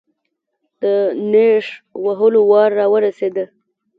د نېش وهلو وار راورسېد.